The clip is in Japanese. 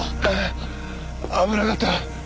危なかった。